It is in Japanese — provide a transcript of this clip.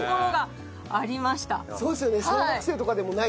そうですよね。